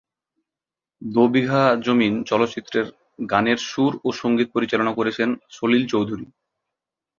দো বিঘা জমিন চলচ্চিত্রের গানের সুর ও সঙ্গীত পরিচালনা করেছেন সলিল চৌধুরী।